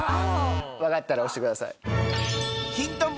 分かったら押してください。